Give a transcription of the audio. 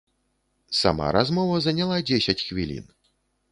Сама размова заняла дзесяць хвілін.